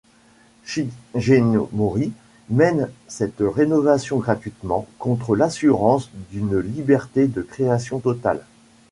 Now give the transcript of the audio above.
Shigemori mène cette rénovation gratuitement, contre l'assurance d'une liberté de création totale.